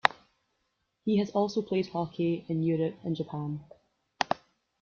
He has also played hockey in Europe and Japan.